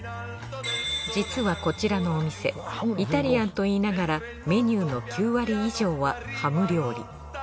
実はこちらのお店イタリアンといいながらメニューの９割以上はハム料理。